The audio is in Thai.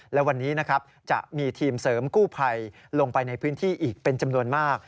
และวันนี้นะครับจะมีทีมเสริมกู้ภัยลงไปในพื้นที่อีกเป็นจำนวนมาก